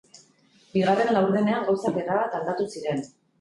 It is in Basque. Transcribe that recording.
Bigarren laurdenean gauzak erabat aldatu ziren.